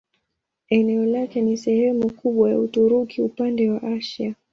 Eneo lake ni sehemu kubwa ya Uturuki upande wa Asia.